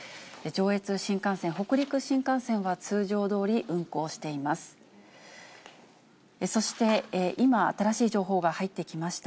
上越新幹線、北陸新幹線は通常どおり運行しています。